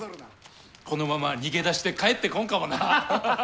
このまま逃げ出して帰ってこんかもな。